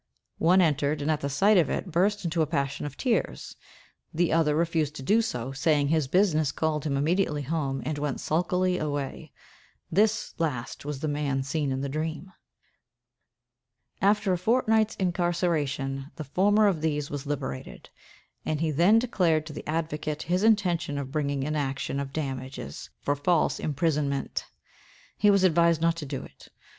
One entered, and, at the sight of it, burst into a passion of tears; the other refused to do so, saying his business called him immediately home, and went sulkily away. This last was the man seen in the dream. After a fortnight's incarceration, the former of these was liberated; and he then declared to the advocate his intention of bringing an action of damages for false imprisonment. He was advised not to do it.